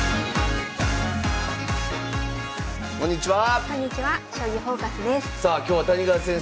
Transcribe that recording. あこんにちは。